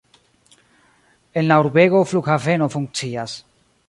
En la urbego flughaveno funkcias.